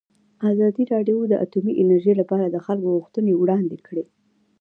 ازادي راډیو د اټومي انرژي لپاره د خلکو غوښتنې وړاندې کړي.